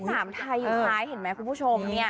สามไทยอยู่ท้ายเห็นไหมคุณผู้ชมเนี่ย